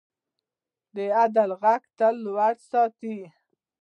د عدالت غږ تل لوړ ساتئ.